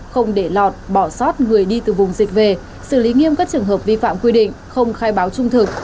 không để lọt bỏ sót người đi từ vùng dịch về xử lý nghiêm các trường hợp vi phạm quy định không khai báo trung thực